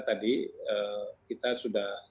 tadi kita sudah